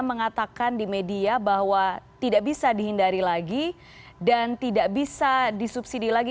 mengatakan di media bahwa tidak bisa dihindari lagi dan tidak bisa disubsidi lagi